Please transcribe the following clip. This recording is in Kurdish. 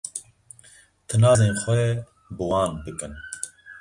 Tinazên xwe bi wan bikin.